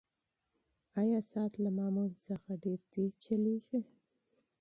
ایا ساعت له معمول څخه ډېر تېز چلیږي؟